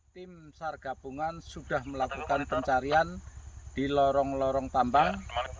tim sar gabungan sudah melakukan pencarian di lorong lorong tambang